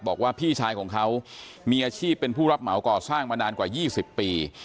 บอกว่าพี่ชายของเขามีอาชีพเป็นผู้รับเหมาก่อสร้างมานานกว่า๒๐ปี